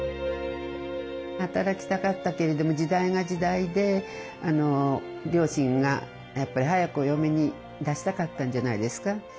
働きたかったけれども時代が時代で両親がやっぱり早くお嫁に出したかったんじゃないですか。